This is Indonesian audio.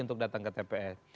untuk datang ke tps